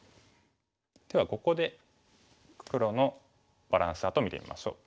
ではここで黒のバランスチャートを見てみましょう。